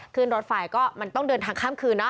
ขึ้นรถไฟก็มันต้องเดินทางข้ามคืนเนอ